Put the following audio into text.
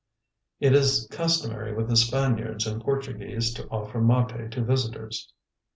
It is customary with the Spaniards and Portuguese to offer mate to visitors.